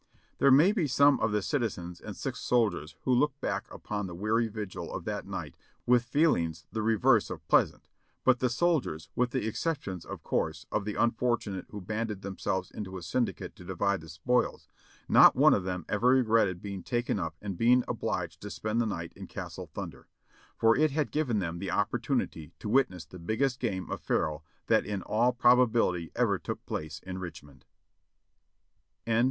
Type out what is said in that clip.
There may be some of the citizens and sick soldiers who look back upon the weary vigil of that night with feelings the reverse of pleasant, but the soldiers, with the exceptions, of course, of the unfortunates who banded themselves into a syndicate to di vide the spoils, not one of them ever regretted being taken up and being obliged to spend the night in Castle Thunder, for it had given them the opportunity to witness the biggest game of faro that in all probability ever took place in Richmond.